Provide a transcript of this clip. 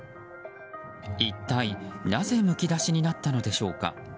一体なぜむき出しになったのでしょうか。